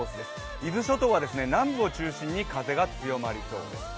伊豆諸島は南部を中心に風が強まりそうです。